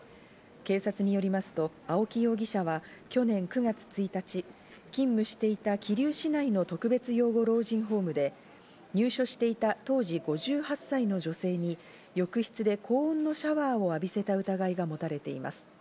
警察によりますと青木容疑者は去年９月１日、勤務していた桐生市内の特別養護老人ホームで入所していた当時５８歳の女性に浴室で高温のシャワーを浴びせた疑いが持たれています。